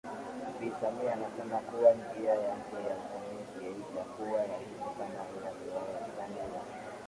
Bi Samia anasema kuwa njia yake ya ufanisi haijakuwa rahisi kama inavyodhaniwa